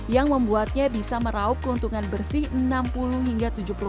yang membuatnya bisa meraup keuntungan bersih enam puluh hingga tujuh puluh